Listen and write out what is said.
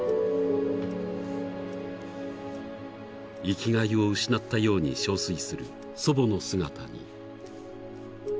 ［生きがいを失ったように憔悴する祖母の姿に］